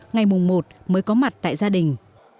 ngày mùng một mới có mặt tại gia đình